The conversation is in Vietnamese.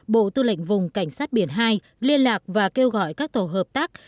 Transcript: bộ tư lệnh vùng cảnh sát biển hai liên lạc và kêu gọi các tổ hợp tác